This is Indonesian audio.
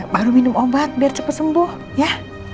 baru minum obat biar cepet sembuh ya